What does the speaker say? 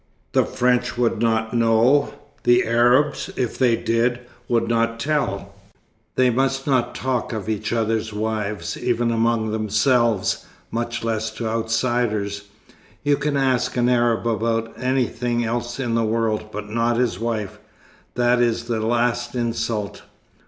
The French would not know. The Arabs, if they did, would not tell. They must not talk of each other's wives, even among themselves, much less to outsiders. You can ask an Arab about anything else in the world, but not his wife. That is the last insult."